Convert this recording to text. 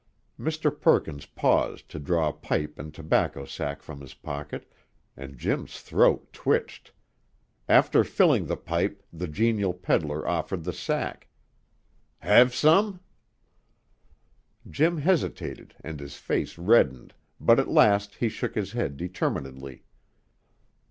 Mr. Perkins paused to draw a pipe and tobacco sack from his pocket, and Jim's throat twitched. After filling the pipe the genial pedler offered the sack. "Hev some?" Jim hesitated, and his face reddened, but at last he shook his head determinedly.